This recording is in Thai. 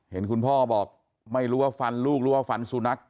เห็นคุณพ่อบอกไม่รู้ว่าฟันลูกหรือว่าฟันสุนัข